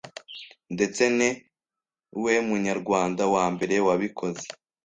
ndetse ni we munyarwanda wa mbere wabikoze